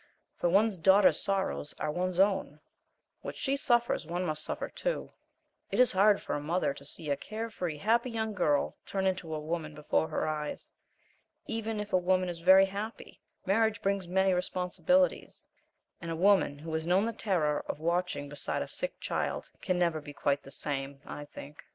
For one's daughter's sorrows are one's own; what she suffers one must suffer, too. It is hard for a mother to see a care free, happy young girl turn into a woman before her eyes. Even if a woman is very happy, marriage brings many responsibilities, and a woman who has known the terror of watching beside a sick child can never be quite the same, I think.